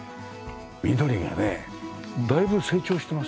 緑がねだいぶ成長してますよ。